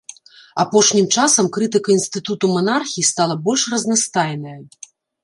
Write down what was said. Апошнім часам крытыка інстытуту манархіі стала больш разнастайная.